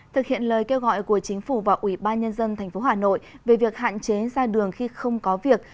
thực hiện lời kêu gọi của chính phủ và ủy ban nhân dân tp hà nội về việc hạn chế ra đường khi không có việc